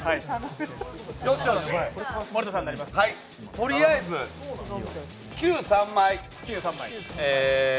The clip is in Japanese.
とりあえず９を３枚。